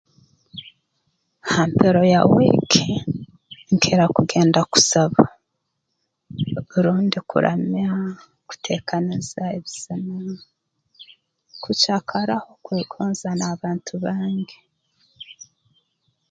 Ha mpero ya wiiki nkira kugenda kusaba rundi kuramya kuteekaniza ebizina kucakaraho kwegonza n'abantu bange